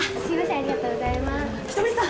ありがとうございます人見さん